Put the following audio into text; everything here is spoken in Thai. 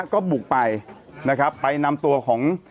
ก็บุกไปนะครับไปนำตัวของ